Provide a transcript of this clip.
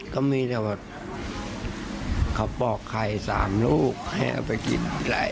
ก็มีแต่ว่าเขาปอกไข่สามลูกให้เอาไปกิน